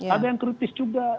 ada yang kritis juga